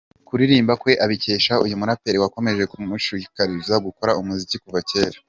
Kuririmba kwe abikesha uyu muraperi wakomeje kumushishikariza gukora umuziki kuva kera.